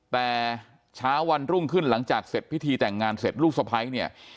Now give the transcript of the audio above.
แต่เช้าวันรุ่งขึ้นหลังจากเสร็จพิธีแต่งงานเสร็จลูกสะพ้ายเนี่ย